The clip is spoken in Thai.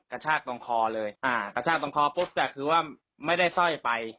กระชากตรงคอเลยอ่ากระชากตรงคอปุ๊บแต่คือว่าไม่ได้สร้อยไป